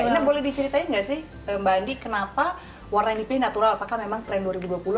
gina boleh diceritain gak sih mbak andi kenapa warna yang dipilih natural apakah memang trend dua ribu dua puluh akan menuju ke sana